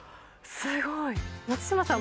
すごい松嶋さん